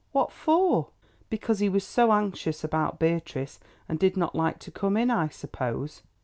What for?" "Because he was so anxious about Beatrice and did not like to come in, I suppose."